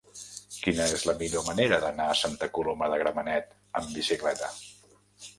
Quina és la millor manera d'anar a Santa Coloma de Gramenet amb bicicleta?